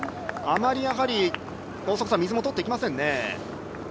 あまり水も取っていきませんね。